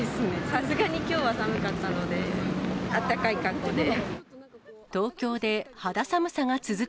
さすがにきょうは寒かったので、あったかい格好で。